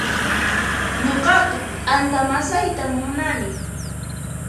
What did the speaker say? Nuqaqa t'anta masaytan munani